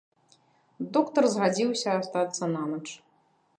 Доктар згадзіўся астацца нанач.